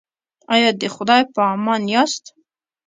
ایا د خدای په امان یاست؟